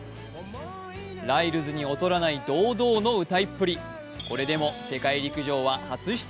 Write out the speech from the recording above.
ライルズに劣らない堂々の歌いっぷり。